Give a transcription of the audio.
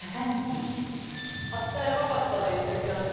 暑さやばかったら言って下さい。